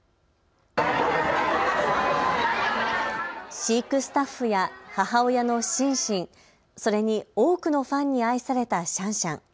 飼育スタッフや母親のシンシン、それに多くのファンに愛されたシャンシャン。